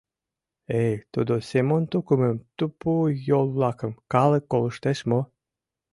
Эй, тудо Семон тукымым, тупуй йол-влакым, калык колыштеш мо?